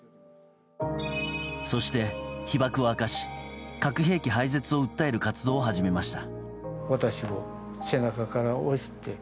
そして、被爆を明かし核兵器廃絶を訴える活動を始めました。